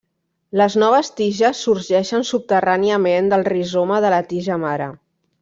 Les noves tiges sorgeixen subterràniament del rizoma de la tija mare.